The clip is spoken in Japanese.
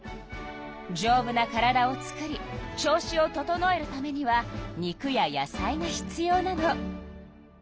じょうぶな体を作り調子を整えるためには肉や野菜が必要なの。